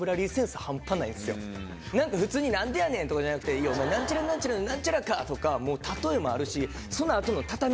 なんか普通に「なんでやねん」とかじゃなくて「お前なんちゃらなんちゃらのなんちゃらか！」とかもう例えもあるしその後の畳み掛け